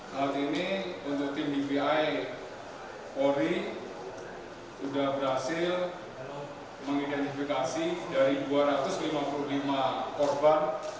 saat ini untuk tim dvi polri sudah berhasil mengidentifikasi dari dua ratus lima puluh lima korban